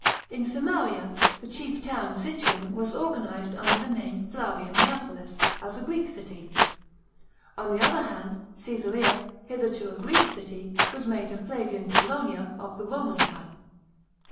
In Samaria, the chief town, Sichem, was organised under the name Flavia Neapolis, as a Greek city. On the other hand, Csesarea, hitherto a Greek city, was made a Flavian Colonia of Roman type.